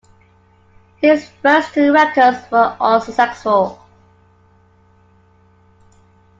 His first two records were unsuccessful.